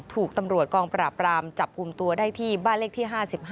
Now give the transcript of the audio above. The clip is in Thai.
ถูกตำรวจกองปราบรามจับกลุ่มตัวได้ที่บ้านเลขที่๕๕